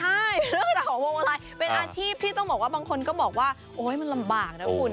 ใช่เรื่องราวของพวงมาลัยเป็นอาชีพที่ต้องบอกว่าบางคนก็บอกว่าโอ๊ยมันลำบากนะคุณ